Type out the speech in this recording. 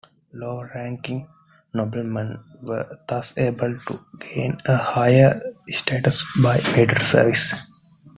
Lower-ranking noblemen were thus able to gain a higher status by military service.